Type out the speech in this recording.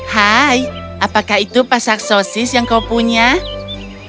hai apakah itu pasak sosis yang kau pun cari